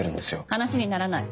話にならない。